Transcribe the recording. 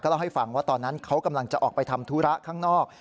เล่าให้ฟังว่าตอนนั้นเขากำลังจะออกไปทำธุระข้างนอก